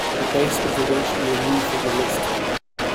The base was eventually removed from the list.